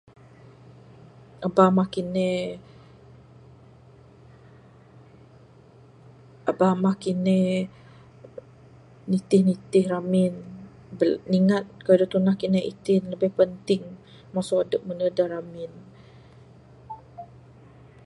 Aba mah kinde...aba mah kinde nitih-nitih ramin...ningat kayuh da tunah kinde itin lebih penting masu adep mene da ramin.